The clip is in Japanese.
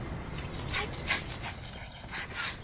来た来た来た。